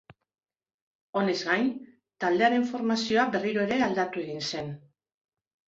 Honez gain, taldearen formazioa berriro ere aldatu egin zen.